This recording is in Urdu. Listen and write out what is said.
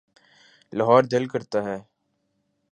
لاہور دل کرتا ہے۔